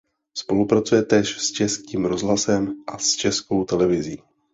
Spolupracuje též s Českým rozhlasem a s Českou televizí.